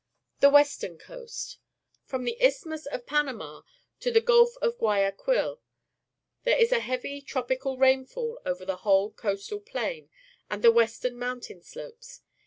The Western Coast. — From the Isthmus of Panayna to the Gulf jjfJhiQi/aquil there is a heavy tropical rainfall over the whole coastal plain and the western mountain slopes.